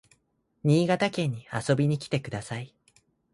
新潟県に遊びに来てください